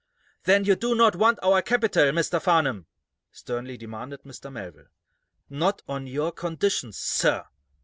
"Then you do not want our capital, Mr. Farnum?" sternly demanded Mr. Melville. "Not on your conditions, sir!"